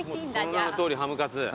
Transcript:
その名のとおりハムカツ。